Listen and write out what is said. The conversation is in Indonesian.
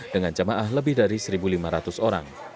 dengan jemaah lebih dari satu lima ratus orang